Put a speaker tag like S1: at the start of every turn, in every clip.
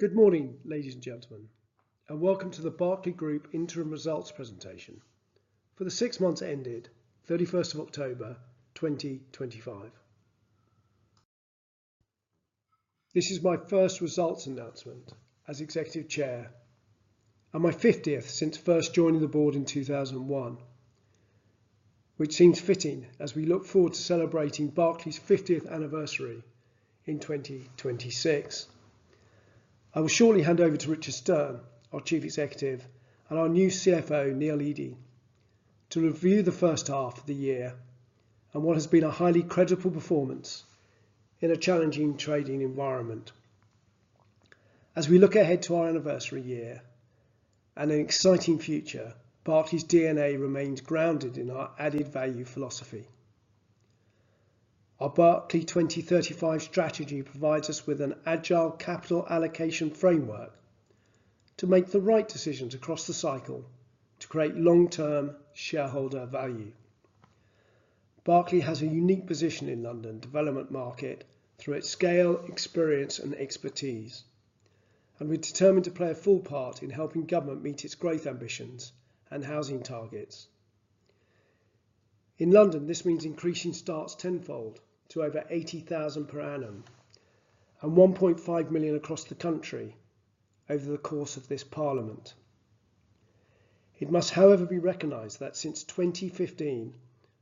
S1: Good morning, ladies and gentlemen, and welcome to the Berkeley Group Interim Results Presentation for the six months ended 31st of October 2025. This is my first results announcement as Executive Chair and my 50th since first joining the board in 2001, which seems fitting as we look forward to celebrating Berkeley's 50th anniversary in 2026. I will shortly hand over to Richard Stearn, our Chief Executive, and our new CFO, Neil Eady, to review the first half of the year and what has been a highly credible performance in a challenging trading environment. As we look ahead to our anniversary year and an exciting future, Berkeley's DNA remains grounded in our added value philosophy. Our Berkeley 2035 strategy provides us with an agile capital allocation framework to make the right decisions across the cycle to create long-term shareholder value. Berkeley has a unique position in London's development market through its scale, experience, and expertise, and we're determined to play a full part in helping government meet its growth ambitions and housing targets. In London, this means increasing starts tenfold to over 80,000 per annum and 1.5 million across the country over the course of this Parliament. It must, however, be recognized that since 2015,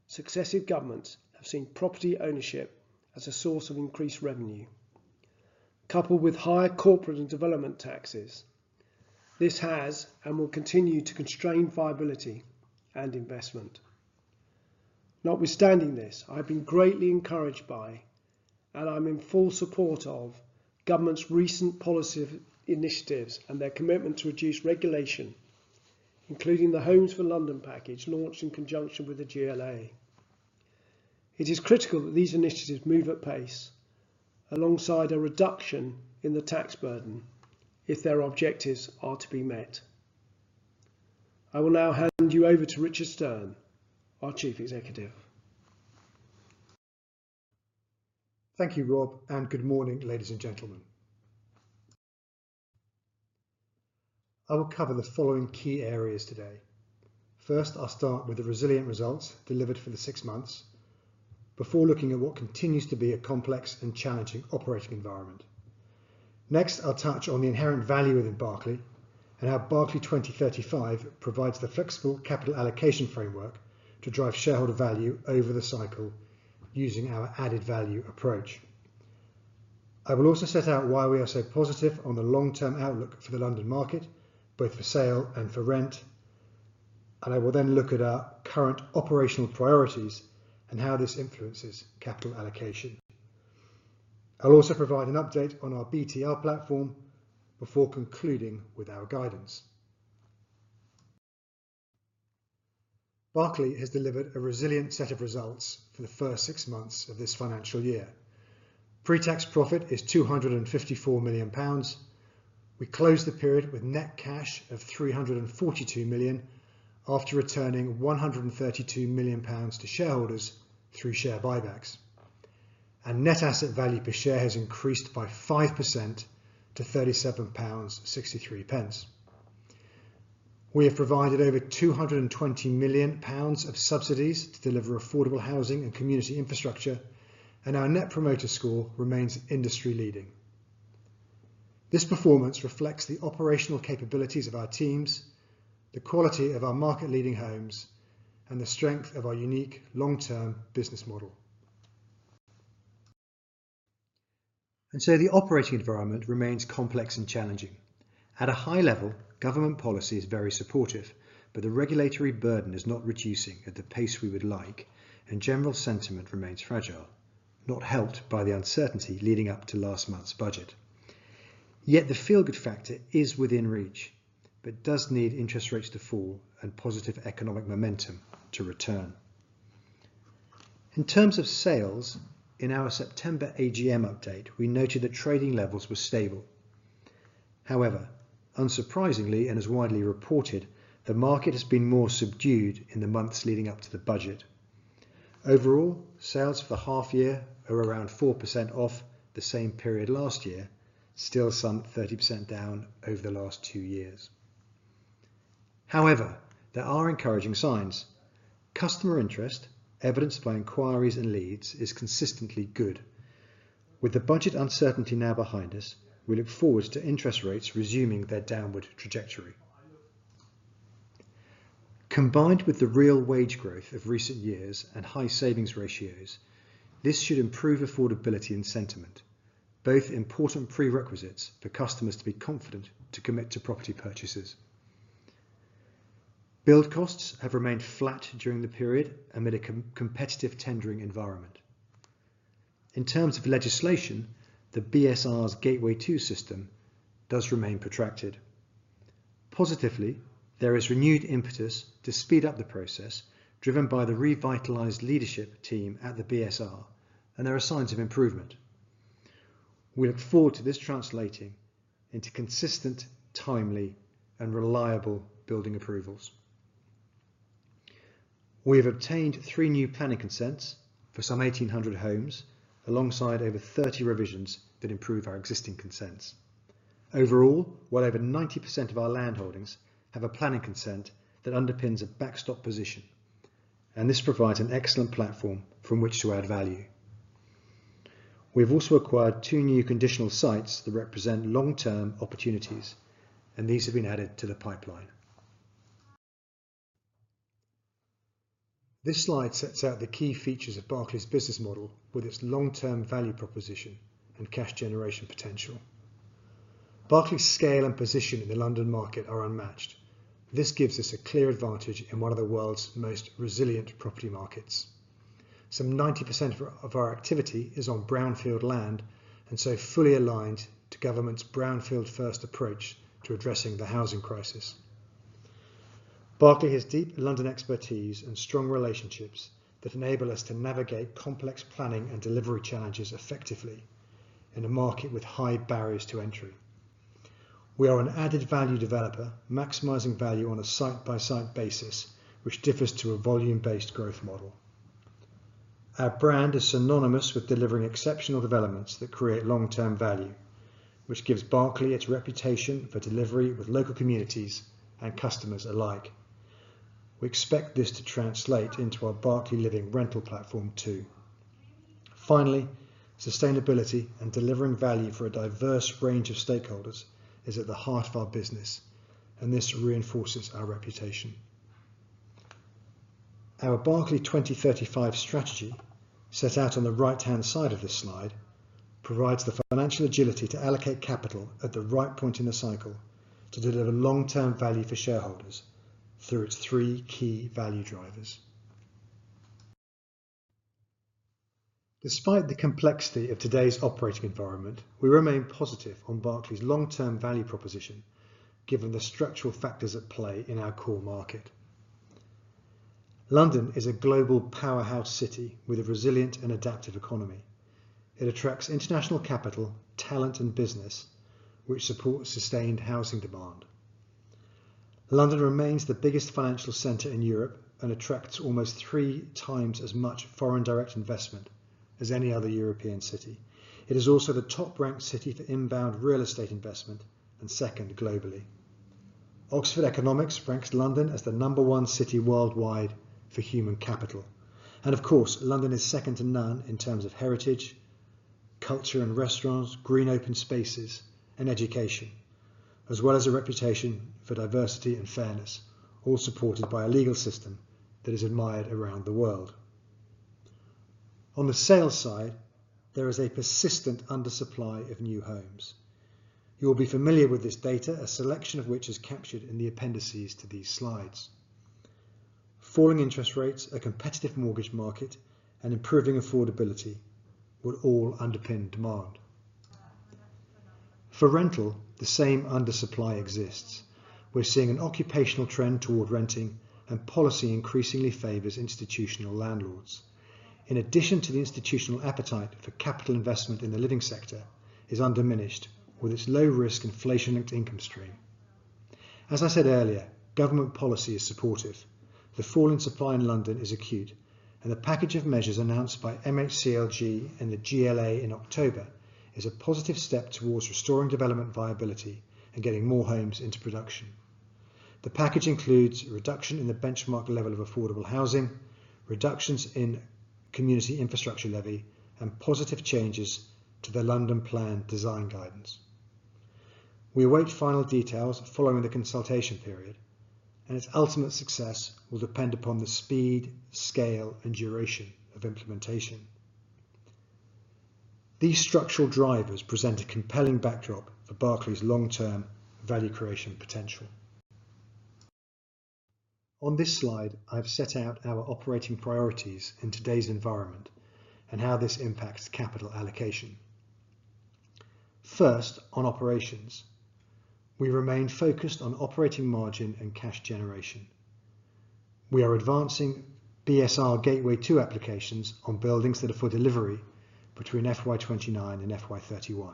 S1: successive governments have seen property ownership as a source of increased revenue. Coupled with higher corporate and development taxes, this has and will continue to constrain viability and investment. Notwithstanding this, I've been greatly encouraged by, and I'm in full support of, government's recent policy initiatives and their commitment to reduce regulation, including the Homes for London package launched in conjunction with the GLA. It is critical that these initiatives move at pace alongside a reduction in the tax burden if their objectives are to be met. I will now hand you over to Richard Stearn, our Chief Executive.
S2: Thank you, Rob, and good morning, ladies and gentlemen. I will cover the following key areas today. First, I'll start with the resilient results delivered for the six months before looking at what continues to be a complex and challenging operating environment. Next, I'll touch on the inherent value within Berkeley and how Berkeley 2035 provides the flexible capital allocation framework to drive shareholder value over the cycle using our added value approach. I will also set out why we are so positive on the long-term outlook for the London market, both for sale and for rent, and I will then look at our current operational priorities and how this influences capital allocation. I'll also provide an update on our BTR platform before concluding with our guidance. Berkeley has delivered a resilient set of results for the first six months of this financial year. Pretax profit is 254 million pounds. We closed the period with net cash of 342 million after returning 132 million pounds to shareholders through share buybacks, and net asset value per share has increased by 5% to 37.63 pounds. We have provided over 220 million pounds of subsidies to deliver affordable housing and Community Infrastructure and our Net Promoter Score remains industry-leading. This performance reflects the operational capabilities of our teams, the quality of our market-leading homes, and the strength of our unique long-term business model, and so the operating environment remains complex and challenging. At a high level, government policy is very supportive, but the regulatory burden is not reducing at the pace we would like, and general sentiment remains fragile, not helped by the uncertainty leading up to last month's budget. Yet the feel-good factor is within reach but does need interest rates to fall and positive economic momentum to return. In terms of sales, in our September AGM update, we noted that trading levels were stable. However, unsurprisingly, and as widely reported, the market has been more subdued in the months leading up to the budget. Overall, sales for the half-year are around 4% off the same period last year, still some 30% down over the last two years. However, there are encouraging signs. Customer interest, evidenced by inquiries and leads, is consistently good. With the budget uncertainty now behind us, we look forward to interest rates resuming their downward trajectory. Combined with the real wage growth of recent years and high savings ratios, this should improve affordability and sentiment, both important prerequisites for customers to be confident to commit to property purchases. Build costs have remained flat during the period amid a competitive tendering environment. In terms of legislation, the BSR's Gateway 2 system does remain protracted. Positively, there is renewed impetus to speed up the process driven by the revitalized leadership team at the BSR, and there are signs of improvement. We look forward to this translating into consistent, timely, and reliable building approvals. We have obtained three new planning consents for some 1,800 homes alongside over 30 revisions that improve our existing consents. Overall, well over 90% of our land holdings have a planning consent that underpins a backstop position, and this provides an excellent platform from which to add value. We've also acquired two new conditional sites that represent long-term opportunities, and these have been added to the pipeline. This slide sets out the key features of Berkeley's business model with its long-term value proposition and cash generation potential. Berkeley's scale and position in the London market are unmatched. This gives us a clear advantage in one of the world's most resilient property markets. Some 90% of our activity is on brownfield land and so fully aligned to government's brownfield-first approach to addressing the housing crisis. Berkeley has deep London expertise and strong relationships that enable us to navigate complex planning and delivery challenges effectively in a market with high barriers to entry. We are an added value developer, maximizing value on a site-by-site basis, which differs to a volume-based growth model. Our brand is synonymous with delivering exceptional developments that create long-term value, which gives Berkeley its reputation for delivery with local communities and customers alike. We expect this to translate into our Berkeley Living rental platform too. Finally, sustainability and delivering value for a diverse range of stakeholders is at the heart of our business, and this reinforces our reputation. Our Berkeley 2035 strategy, set out on the right-hand side of this slide, provides the financial agility to allocate capital at the right point in the cycle to deliver long-term value for shareholders through its three key value drivers. Despite the complexity of today's operating environment, we remain positive on Berkeley's long-term value proposition given the structural factors at play in our core market. London is a global powerhouse city with a resilient and adaptive economy. It attracts international capital, talent, and business, which supports sustained housing demand. London remains the biggest financial center in Europe and attracts almost three times as much foreign direct investment as any other European city. It is also the top-ranked city for inbound real estate investment and second globally. Oxford Economics ranks London as the number one city worldwide for human capital. And of course, London is second to none in terms of heritage, culture and restaurants, green open spaces, and education, as well as a reputation for diversity and fairness, all supported by a legal system that is admired around the world. On the sales side, there is a persistent undersupply of new homes. You will be familiar with this data, a selection of which is captured in the appendices to these slides. Falling interest rates, a competitive mortgage market, and improving affordability would all underpin demand. For rental, the same undersupply exists. We're seeing an occupational trend toward renting, and policy increasingly favors institutional landlords. In addition to the institutional appetite for capital investment in the living sector, it is undiminished with its low-risk, inflation-linked income stream. As I said earlier, government policy is supportive. The fall in supply in London is acute, and the package of measures announced by MHCLG and the GLA in October is a positive step towards restoring development viability and getting more homes into production. The package includes a reduction in the benchmark level of affordable housing, reductions in Community Infrastructure Levy, and positive changes to the London Plan design guidance. We await final details following the consultation period, and its ultimate success will depend upon the speed, scale, and duration of implementation. These structural drivers present a compelling backdrop for Berkeley's long-term value creation potential. On this slide, I've set out our operating priorities in today's environment and how this impacts capital allocation. First, on operations, we remain focused on operating margin and cash generation. We are advancing BSR Gateway 2 applications on buildings that are for delivery between FY29 and FY31.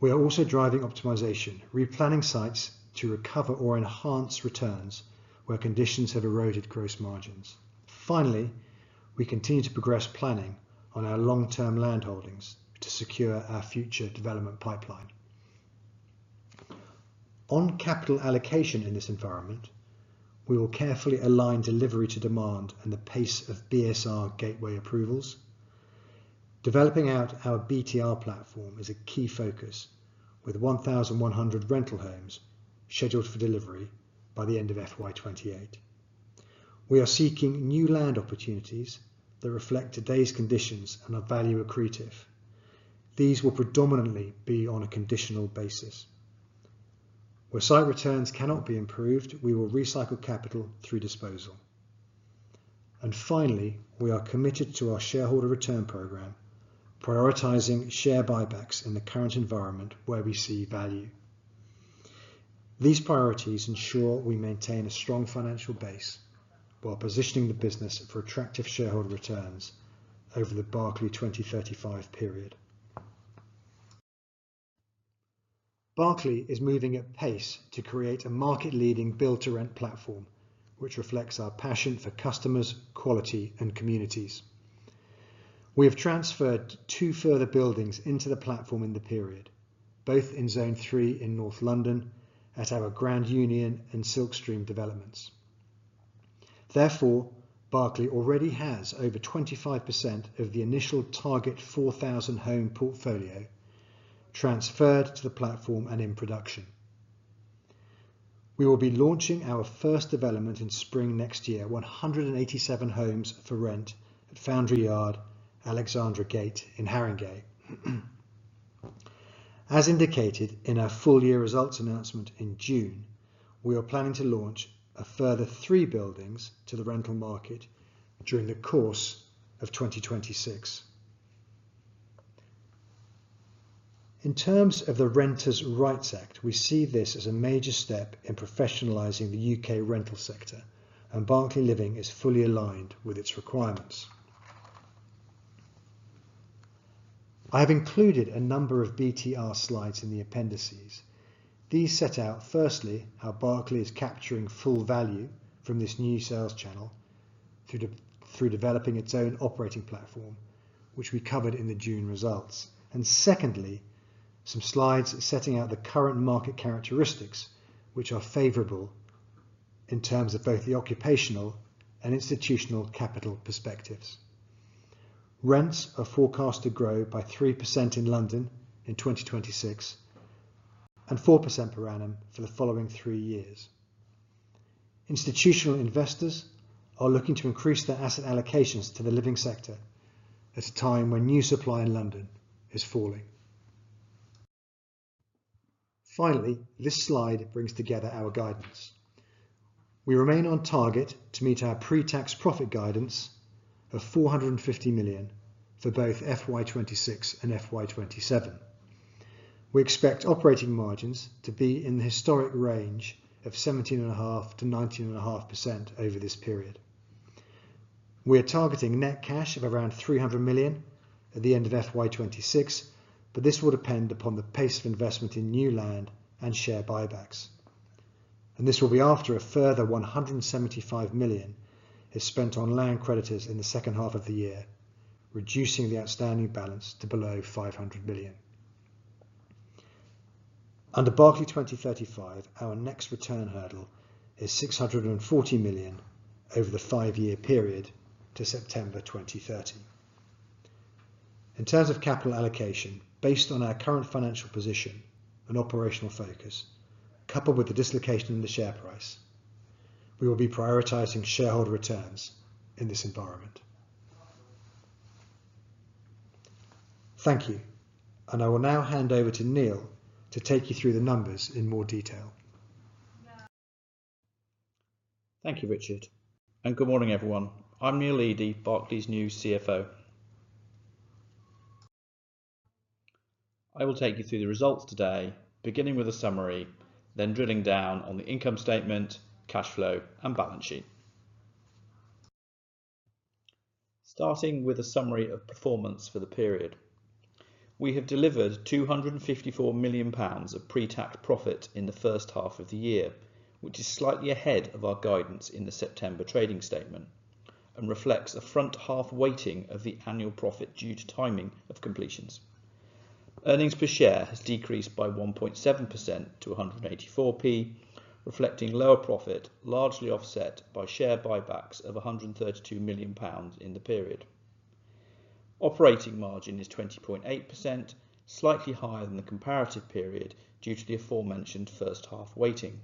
S2: We are also driving optimization, replanning sites to recover or enhance returns where conditions have eroded gross margins. Finally, we continue to progress planning on our long-term land holdings to secure our future development pipeline. On capital allocation in this environment, we will carefully align delivery to demand and the pace of BSR Gateway approvals. Developing out our BTR platform is a key focus, with 1,100 rental homes scheduled for delivery by the end of FY28. We are seeking new land opportunities that reflect today's conditions and are value accretive. These will predominantly be on a conditional basis. Where site returns cannot be improved, we will recycle capital through disposal, and finally, we are committed to our shareholder return program, prioritizing share buybacks in the current environment where we see value. These priorities ensure we maintain a strong financial base while positioning the business for attractive shareholder returns over the Berkeley 2035 period. Berkeley is moving at pace to create a market-leading build-to-rent platform, which reflects our passion for customers, quality, and communities. We have transferred two further buildings into the platform in the period, both in Zone 3 in North London at our Grand Union and Silkstream developments. Therefore, Berkeley already has over 25% of the initial target 4,000-home portfolio transferred to the platform and in production. We will be launching our first development in spring next year, 187 homes for rent at Foundry Yard, Alexandra Gate in Haringey. As indicated in our full-year results announcement in June, we are planning to launch a further three buildings to the rental market during the course of 2026. In terms of the Renters' Rights Act, we see this as a major step in professionalizing the U.K. rental sector, and Berkeley Living is fully aligned with its requirements. I have included a number of BTR slides in the appendices. These set out, firstly, how Berkeley is capturing full value from this new sales channel through developing its own operating platform, which we covered in the June results. And secondly, some slides setting out the current market characteristics, which are favorable in terms of both the occupational and institutional capital perspectives. Rents are forecast to grow by 3% in London in 2026 and 4% per annum for the following three years. Institutional investors are looking to increase their asset allocations to the living sector at a time when new supply in London is falling. Finally, this slide brings together our guidance. We remain on target to meet our pre-tax profit guidance of 450 million for both FY26 and FY27. We expect operating margins to be in the historic range of 17.5%-19.5% over this period. We are targeting net cash of around 300 million at the end of FY26, but this will depend upon the pace of investment in new land and share buybacks, and this will be after a further 175 million is spent on land creditors in the second half of the year, reducing the outstanding balance to below 500 million. Under Berkeley 2035, our next return hurdle is 640 million over the five-year period to September 2030. In terms of capital allocation, based on our current financial position and operational focus, coupled with the dislocation in the share price, we will be prioritizing shareholder returns in this environment. Thank you, and I will now hand over to Neil to take you through the numbers in more detail.
S3: Thank you, Richard. And good morning, everyone. I'm Neil Eady, Berkeley's new CFO. I will take you through the results today, beginning with a summary, then drilling down on the income statement, cash flow, and balance sheet. Starting with a summary of performance for the period. We have delivered 254 million pounds of pre-tax profit in the first half of the year, which is slightly ahead of our guidance in the September trading statement and reflects a front-half weighting of the annual profit due to timing of completions. Earnings per share has decreased by 1.7% to 184, reflecting lower profit largely offset by share buybacks of 132 million pounds in the period. Operating margin is 20.8%, slightly higher than the comparative period due to the aforementioned first-half weighting.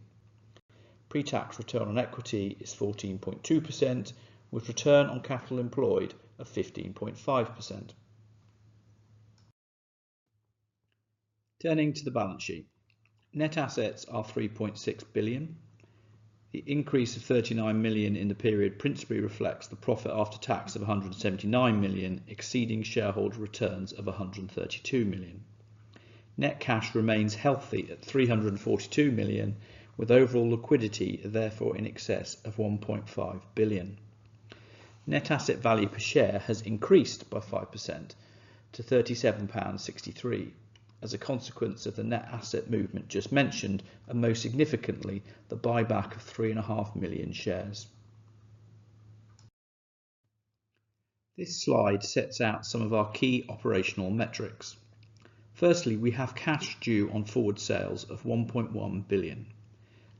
S3: Pre-tax return on equity is 14.2%, with return on capital employed of 15.5%. Turning to the balance sheet, net assets are 3.6 billion. The increase of 39 million in the period principally reflects the profit after tax of 179 million, exceeding shareholder returns of 132 million. Net cash remains healthy at 342 million, with overall liquidity therefore in excess of 1.5 billion. Net asset value per share has increased by 5% to 37.63 pounds as a consequence of the net asset movement just mentioned, and most significantly, the buyback of 3.5 million shares. This slide sets out some of our key operational metrics. Firstly, we have cash due on forward sales of 1.1 billion.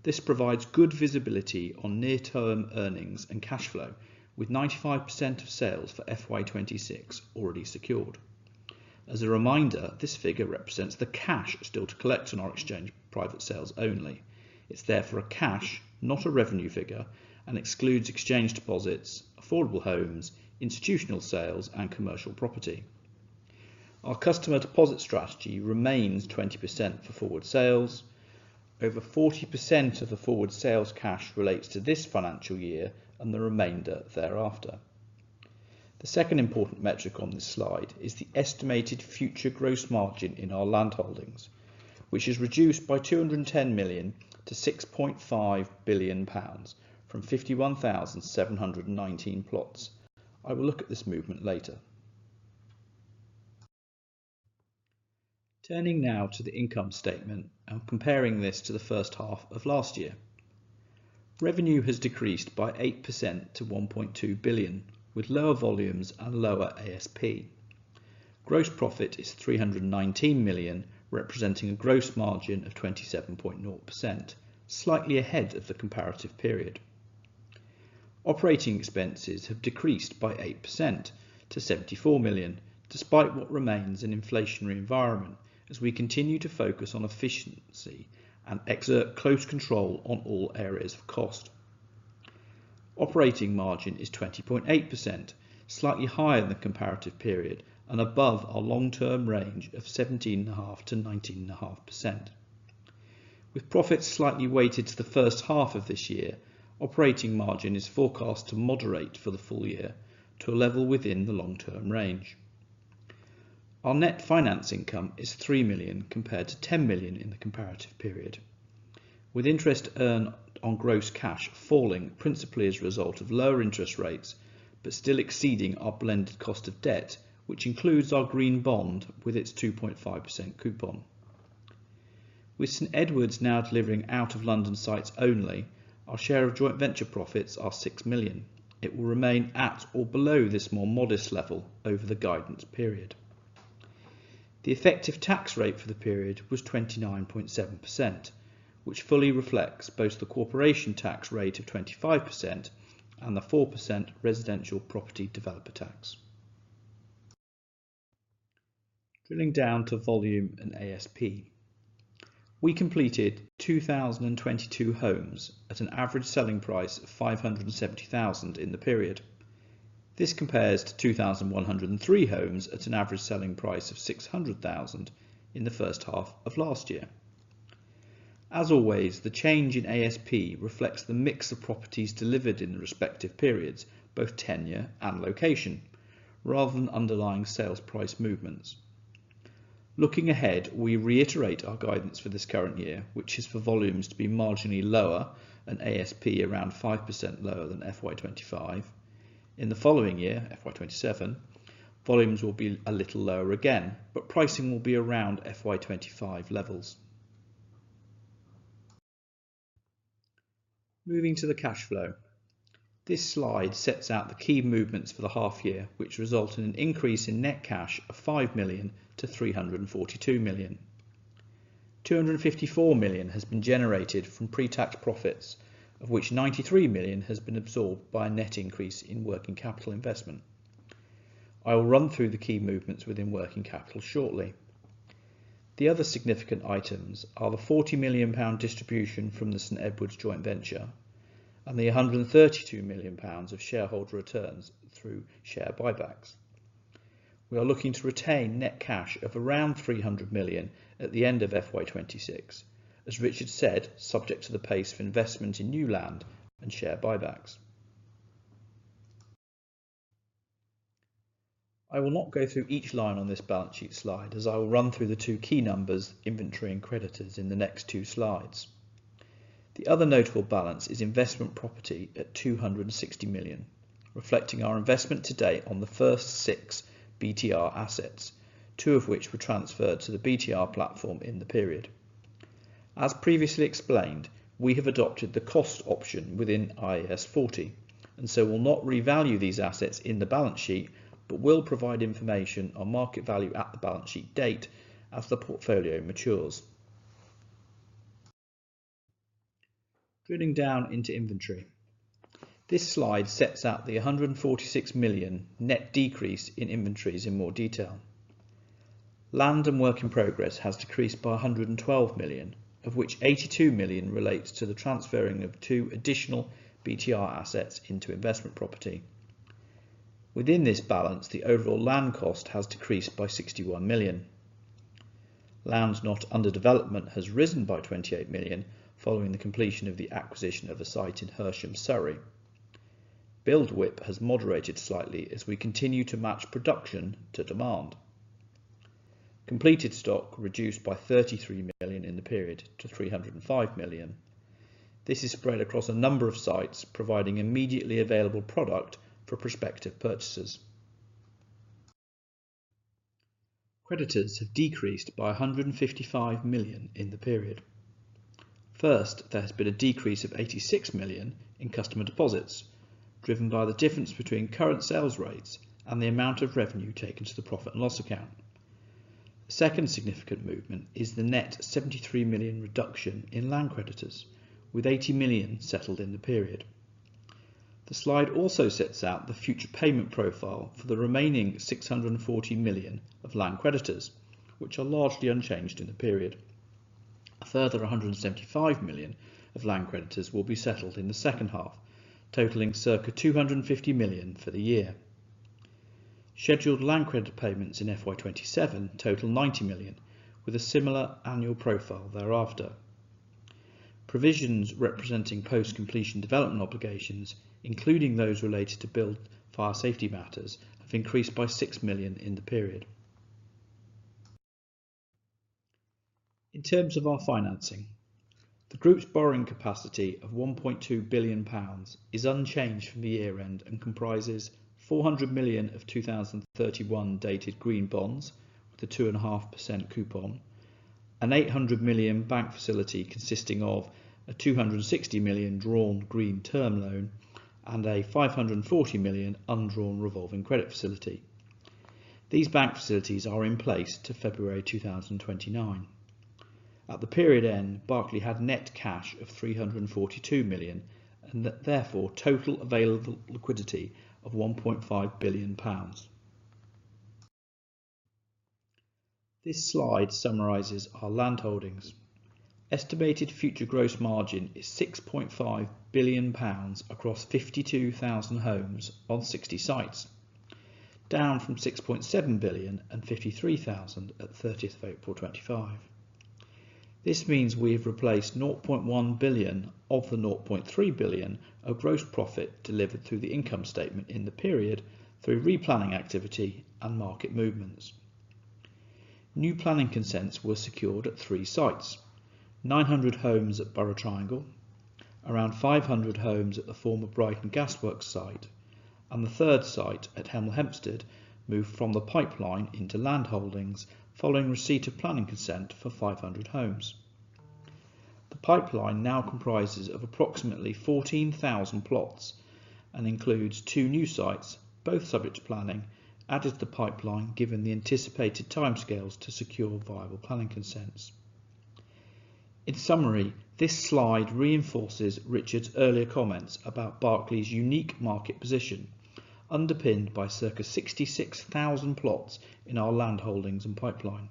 S3: This provides good visibility on near-term earnings and cash flow, with 95% of sales for FY26 already secured. As a reminder, this figure represents the cash still to collect on our exchange private sales only. It's therefore a cash, not a revenue figure, and excludes exchange deposits, affordable homes, institutional sales, and commercial property. Our customer deposit strategy remains 20% for forward sales. Over 40% of the forward sales cash relates to this financial year and the remainder thereafter. The second important metric on this slide is the estimated future gross margin in our land holdings, which is reduced by £210 million to £6.5 billion from 51,719 plots. I will look at this movement later. Turning now to the income statement and comparing this to the first half of last year. Revenue has decreased by 8% to £1.2 billion, with lower volumes and lower ASP. Gross profit is £319 million, representing a gross margin of 27.0%, slightly ahead of the comparative period. Operating expenses have decreased by 8% to 74 million, despite what remains an inflationary environment as we continue to focus on efficiency and exert close control on all areas of cost. Operating margin is 20.8%, slightly higher than the comparative period and above our long-term range of 17.5% to 19.5%. With profits slightly weighted to the first half of this year, operating margin is forecast to moderate for the full year to a level within the long-term range. Our net finance income is 3 million compared to 10 million in the comparative period, with interest earned on gross cash falling principally as a result of lower interest rates but still exceeding our blended cost of debt, which includes our green bond with its 2.5% coupon. With St Edward now delivering out-of-London sites only, our share of joint venture profits are 6 million. It will remain at or below this more modest level over the guidance period. The effective tax rate for the period was 29.7%, which fully reflects both the corporation tax rate of 25% and the 4% Residential Property Developer Tax. Drilling down to volume and ASP. We completed 2,022 homes at an average selling price of 570,000 in the period. This compares to 2,103 homes at an average selling price of 600,000 in the first half of last year. As always, the change in ASP reflects the mix of properties delivered in the respective periods, both tenure and location, rather than underlying sales price movements. Looking ahead, we reiterate our guidance for this current year, which is for volumes to be marginally lower and ASP around 5% lower than FY25. In the following year, FY27, volumes will be a little lower again, but pricing will be around FY25 levels. Moving to the cash flow. This slide sets out the key movements for the half year, which result in an increase in net cash of £5 million to £342 million. £254 million has been generated from pre-tax profits, of which £93 million has been absorbed by a net increase in working capital investment. I will run through the key movements within working capital shortly. The other significant items are the £40 million distribution from the St Edward joint venture and the £132 million of shareholder returns through share buybacks. We are looking to retain net cash of around £300 million at the end of FY26, as Richard said, subject to the pace of investment in new land and share buybacks. I will not go through each line on this balance sheet slide as I will run through the two key numbers, inventory and creditors, in the next two slides. The other notable balance is investment property at 260 million, reflecting our investment today on the first six BTR assets, two of which were transferred to the BTR platform in the period. As previously explained, we have adopted the cost option within IAS 40 and so will not revalue these assets in the balance sheet, but will provide information on market value at the balance sheet date as the portfolio matures. Drilling down into inventory. This slide sets out the 146 million net decrease in inventories in more detail. Land and work in progress has decreased by 112 million, of which 82 million relates to the transferring of two additional BTR assets into investment property. Within this balance, the overall land cost has decreased by 61 million. Land not under development has risen by 28 million following the completion of the acquisition of a site in Hersham, Surrey. Build WIP has moderated slightly as we continue to match production to demand. Completed stock reduced by 33 million in the period to 305 million. This is spread across a number of sites, providing immediately available product for prospective purchasers. Creditors have decreased by 155 million in the period. First, there has been a decrease of 86 million in customer deposits, driven by the difference between current sales rates and the amount of revenue taken to the profit and loss account. The second significant movement is the net 73 million reduction in land creditors, with 80 million settled in the period. The slide also sets out the future payment profile for the remaining 640 million of land creditors, which are largely unchanged in the period. A further 175 million of land creditors will be settled in the second half, totaling circa 250 million for the year. Scheduled land credit payments in FY27 total 90 million, with a similar annual profile thereafter. Provisions representing post-completion development obligations, including those related to Building Fire Safety Matters, have increased by 6 million in the period. In terms of our financing, the group's borrowing capacity of 1.2 billion pounds is unchanged from the year-end and comprises 400 million of 2031 dated green bonds with a 2.5% coupon, an 800 million bank facility consisting of a 260 million drawn green term loan, and a 540 million undrawn revolving credit facility. These bank facilities are in place to February 2029. At the period end, Berkeley had net cash of 342 million and therefore total available liquidity of 1.5 billion pounds. This slide summarizes our land holdings. Estimated future gross margin is 6.5 billion pounds across 52,000 homes on 60 sites, down from 6.7 billion and 53,000 at 30 April 2025. This means we have replaced 0.1 billion of the 0.3 billion of gross profit delivered through the income statement in the period through replanning activity and market movements. New planning consents were secured at three sites: 900 homes at Borough Triangle, around 500 homes at the former Brighton Gasworks site, and the third site at Hemel Hempstead moved from the pipeline into land holdings following receipt of planning consent for 500 homes. The pipeline now comprises of approximately 14,000 plots and includes two new sites, both subject to planning, added to the pipeline given the anticipated timescales to secure viable planning consents. In summary, this slide reinforces Richard's earlier comments about Berkeley's unique market position, underpinned by circa 66,000 plots in our land holdings and pipeline.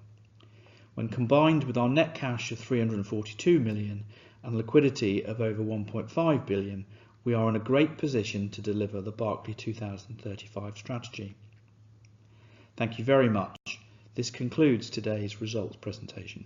S3: When combined with our net cash of 342 million and liquidity of over 1.5 billion, we are in a great position to deliver the Berkeley 2035 strategy. Thank you very much. This concludes today's results presentation.